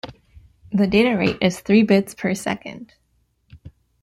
The data rate is three bits per second.